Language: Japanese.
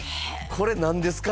これ何ですか？